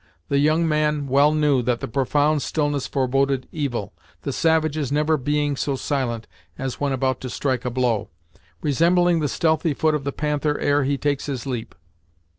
The young man well knew that the profound stillness foreboded evil, the savages never being so silent as when about to strike a blow; resembling the stealthy foot of the panther ere he takes his leap.